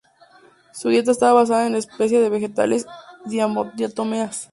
Su dieta está basada en especial en vegetales, diatomeas.